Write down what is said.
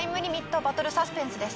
バトルサスペンスです。